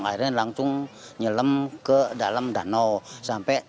akhirnya langsung nyelem ke dalam danau